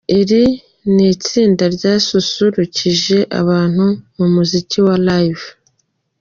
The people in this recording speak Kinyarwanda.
Iri ni itsinda ryasusurukije abantu mu muziki wa live.